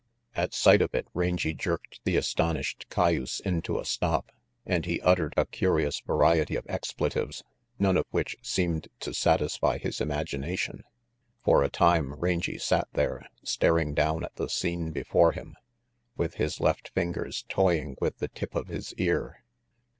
At sight of it, Rangy jerked the astonished cayuse into a stop, and he uttered a curious variety of expletives, none of which seemed to satisfy his imagination. For a time Rangy sat there, staring down at the scene before him, with his left fingers toying with the tip of his ear.